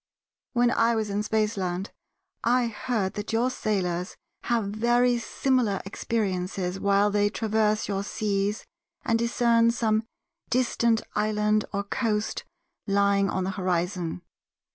When I was in Spaceland I heard that your sailors have very similar experiences while they traverse your seas and discern some distant island or coast lying on the horizon.